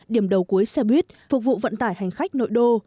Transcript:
điểm đầu cuối xe buýt phục vụ vận tải hành khách nội đô